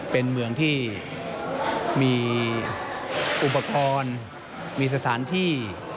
เป็นเมืองที่มีอุปกรณ์มีสถานที่